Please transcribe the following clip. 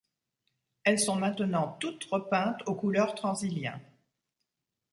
Elles sont maintenant toutes repeintes aux couleurs Transilien.